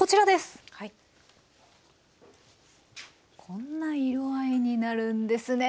こんな色合いになるんですね。